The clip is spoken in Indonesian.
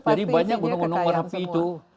jadi banyak gunung gunung rapi itu